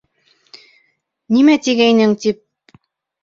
Нимә тигәйнең тип.